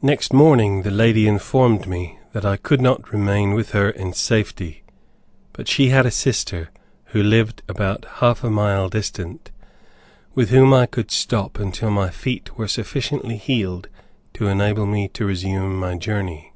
Next morning the lady informed me that I could not remain with her in safety, but she had a sister, who lived about half a mile distant, with whom I could stop until my feet were sufficiently healed to enable me to resume my journey.